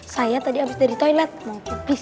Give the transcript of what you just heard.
saya tadi abis dari toilet mau pipis